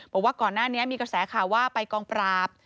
บอกว่าก่อนหน้านี้มีกระแสข่าวว่าไปกองปราบ